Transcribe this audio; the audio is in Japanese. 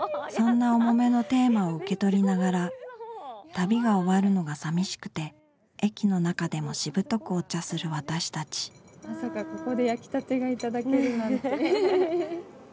そんな重めのテーマを受け取りながら旅が終わるのが寂しくて駅の中でもしぶとくお茶する私たちまさかここで焼きたてが頂けるなんて。ね。